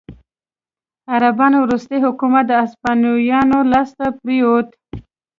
عربانو وروستی حکومت د هسپانویانو لاسته پرېوت.